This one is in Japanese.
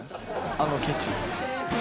あの「ケチ」。